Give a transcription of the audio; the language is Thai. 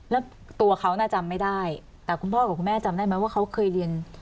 แล้วตัวเขาน่ะจำไม่ได้แต่คุณพ่อกับคุณแม่จำได้ไหมว่าเขาเคยเรียน